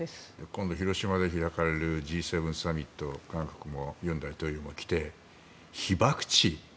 今度、広島で開かれるＧ７サミットに韓国も尹大統領も来て被爆地